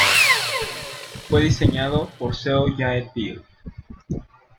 Fue diseñado por Seo Jae-pil.